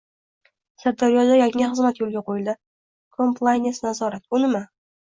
Sirdaryoda yangi xizmat yo‘lga qo‘yildi: Komplayens nazorat. U nima?